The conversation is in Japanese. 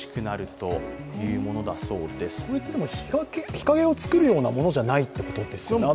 日陰を作るようなものじゃないということですよね？